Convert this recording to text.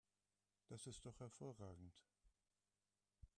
Das ist doch hervorragend!